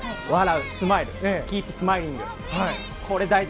笑う、スマイルキープスマイリング。